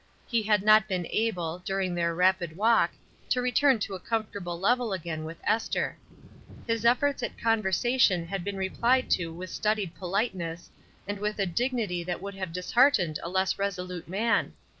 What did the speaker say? He had not been able, during their rapid walk, to return to a comfortable level again with Esther. His efforts at conversation had been replied to with studied pohteness, and with a dignity 152 ESTER RIED'S NAMESAKE that would have disheartened a less resolute man.